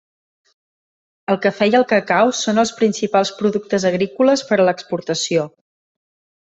El cafè i el cacau són els principals productes agrícoles per a l'exportació.